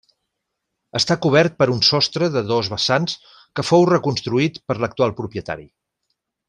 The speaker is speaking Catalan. Està cobert per un sostre de dos vessants que fou reconstruït per l'actual propietari.